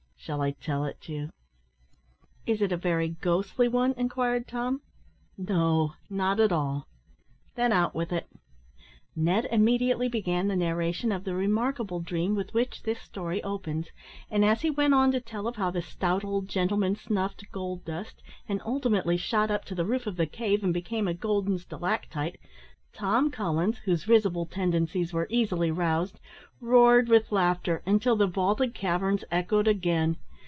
Shall I tell it you?" "Is it a very ghostly one?" inquired Tom. "No; not at all." "Then out with it." Ned immediately began the narration of the remarkable dream with which this story opens, and as he went on to tell of how the stout old gentleman snuffed gold dust, and ultimately shot up to the roof of the cave, and became a golden stalactite, Tom Collins, whose risible tendencies were easily roused, roared with laughter, until the vaulted caverns echoed again.